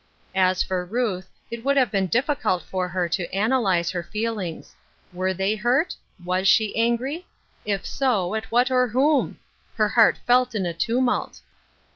As for Ruth, it would have been difficult for her to analyze her feelings. Were they hurt? Was she angry ? If so, at what or whom ? Her heart felt in a tumult.